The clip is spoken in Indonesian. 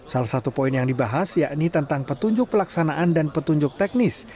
salah satu poin yang dibahas yakni tentang petunjuk pelaksanaan dan petunjuk teknis